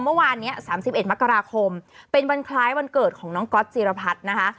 เมื่อวานเนี้ยสามสิบเอ็ดมักราคมเป็นวันคล้ายวันเกิดของน้องก๊อตจีรพรรดินะคะ